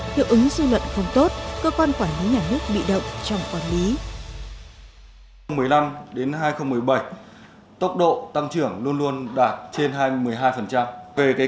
hiệu ứng dư luận không tốt cơ quan quản lý nhà nước bị động trong quản lý